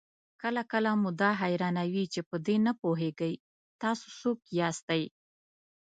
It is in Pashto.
کله کله مو دا حيرانوي چې په دې نه پوهېږئ تاسې څوک ياستئ؟